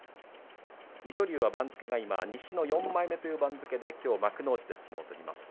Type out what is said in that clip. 番付が西の４枚目という番付できょう幕内で相撲を取ります。